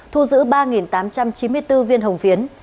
thu giữ ba tám trăm chín mươi bốn viên hồng phiến